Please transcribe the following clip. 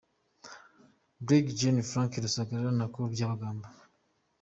Brig Gen Frank Rusagara na Col. Byabagamba